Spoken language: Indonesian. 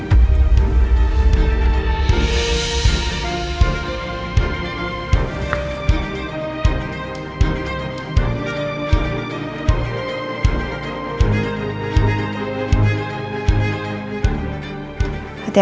aku bisa sendiri